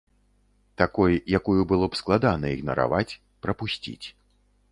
Такой, якую было б складана ігнараваць, прапусціць.